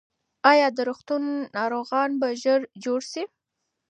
ایا د روغتون ناروغان به ژر جوړ شي؟